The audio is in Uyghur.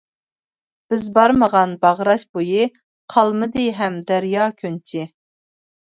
بىز بارمىغان باغراش بويى، قالمىدى ھەم دەريا كۆنچى.